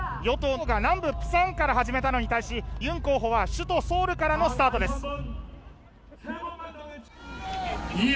与党が南部釜山から始めたのに対しユン候補は首都ソウルからのスタートです。